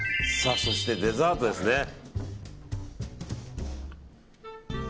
そして、デザートですね。